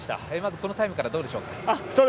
このタイムはどうでしょうか？